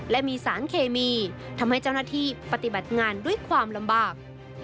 และมีสารเคมีทำให้เจ้าหน้าที่ปฏิบัติงานด้วยความลำบาก